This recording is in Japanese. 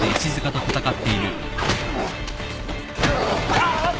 あっ！